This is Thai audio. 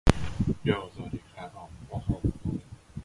เอาเกลือตบต่อเลยครับ